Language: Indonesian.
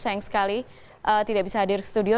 sayang sekali tidak bisa hadir studio